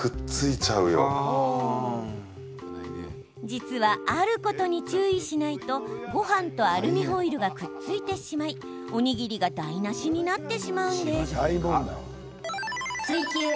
実は、あることに注意しないとごはんとアルミホイルがくっついてしまいおにぎりが台なしになってしまうんです。